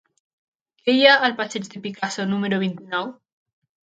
Què hi ha al passeig de Picasso número vint-i-nou?